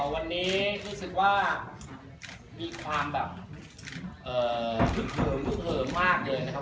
วันนี้รู้สึกว่ามีความแบบคึกเหิมฮึกเหิมมากเลยนะครับ